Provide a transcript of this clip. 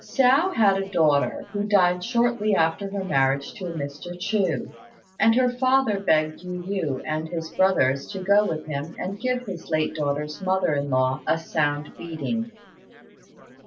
Hsiao had a daughter, who died shortly after her marriage to a Mr. Chou; and her father begged Yu yü and his other brothers to go with him and give his late daughter's mother in law a sound beating.